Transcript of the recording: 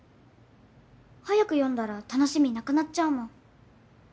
早く読んだら楽しみなくなっちゃうもん。